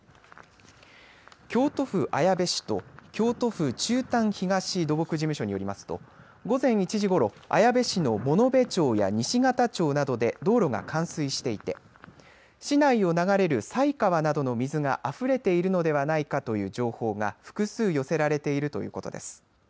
京都府綾部市と京都府中丹東土木事務所によりますと午前１時ごろ綾部市の物部町や西方町などで道路が冠水していて市内を流れる犀川などの水があふれているのではないかという情報が複数寄せられているということです。